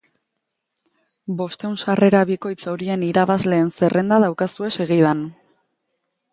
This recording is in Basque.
Bostehun sarrera bikoitz horien irabazleen zerrenda daukazue segidan.